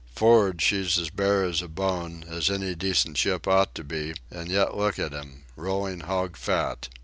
For'ard she's as bare as a bone, as any decent ship ought to be, and yet look at 'em, rolling hog fat.